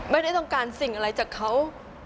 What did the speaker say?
ไม่ได้ต้องการสิ่งอะไรจากเขา